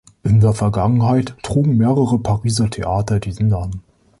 In der Vergangenheit trugen mehrere Pariser Theater diesen Namen.